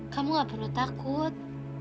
kamu gak perlu takut